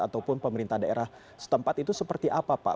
ataupun pemerintah daerah setempat itu seperti apa pak